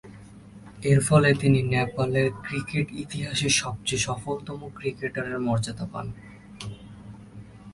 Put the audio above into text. এরফলে তিনি নেপালের ক্রিকেট ইতিহাসে সবচেয়ে সফলতম ক্রিকেটারের মর্যাদা পান।